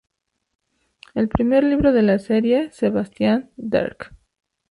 El primer libro de la serie, "Sebastian Darke.